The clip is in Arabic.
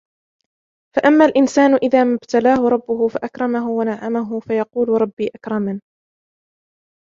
فَأَمَّا الْإِنْسَانُ إِذَا مَا ابْتَلَاهُ رَبُّهُ فَأَكْرَمَهُ وَنَعَّمَهُ فَيَقُولُ رَبِّي أَكْرَمَنِ